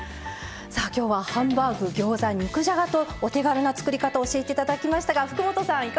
さあきょうはハンバーグギョーザ肉じゃがとお手軽な作り方を教えていただきましたが福本さん